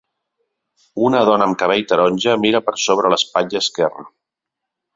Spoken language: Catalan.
Una dona amb el cabell taronja mira per sobre l'espatlla esquerra.